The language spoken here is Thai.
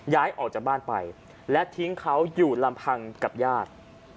ย้ายออกจากบ้านไปและทิ้งเขาอยู่ลำพังกับญาติ